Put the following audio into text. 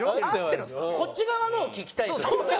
こっち側のを聞きたいんですよ。